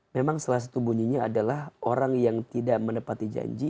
memang salah satu bunyinya adalah orang yang tidak menepati janji